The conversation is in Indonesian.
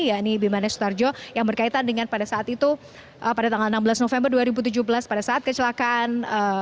yakni bimanes sutarjo yang berkaitan dengan pada saat itu pada tanggal enam belas november dua ribu tujuh belas pada saat kecelakaan